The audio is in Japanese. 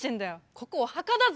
ここお墓だぞ。